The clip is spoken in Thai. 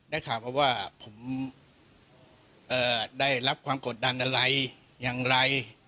ข่าวมาว่าผมได้รับความกดดันอะไรอย่างไร